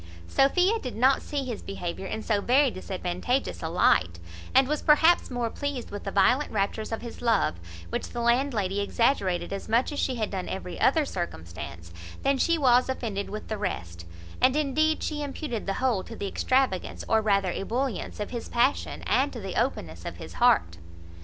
Sophia did not see his behaviour in so very disadvantageous a light, and was perhaps more pleased with the violent raptures of his love (which the landlady exaggerated as much as she had done every other circumstance) than she was offended with the rest; and indeed she imputed the whole to the extravagance, or rather ebullience, of his passion, and to the openness of his heart.